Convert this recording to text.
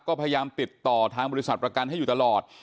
ก็พยายามติดต่อทางบริษัทประกันให้อยู่ตลอด